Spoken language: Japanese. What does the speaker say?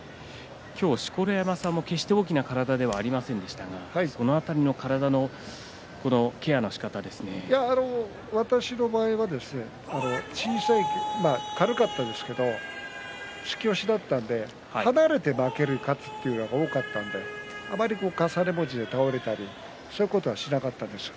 錣山さんも決して大きな体ではありませんでしたがその辺りの体の私の場合は軽かったですけど突き押しだったので離れて負けて勝つということが多かったので重ね餅で倒れたりということはしなかったんですよ。